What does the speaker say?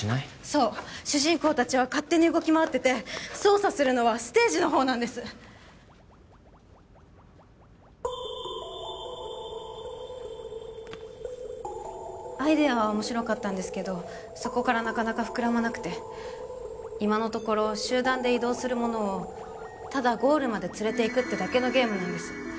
そう主人公達は勝手に動き回ってて操作するのはステージの方なんですアイデアは面白かったんですけどそこからなかなか膨らまなくて今のところ集団で移動するものをただゴールまで連れていくってだけのゲームなんです